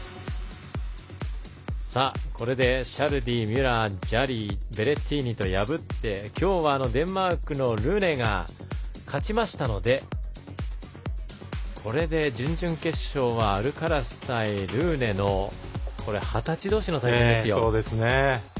これでシャルディ、ミュラージャリー、ベレッティーニと破って今日はデンマークのルーネが勝ちましたのでこれで準々決勝はアルカラス対ルーネの二十歳同士の対戦です。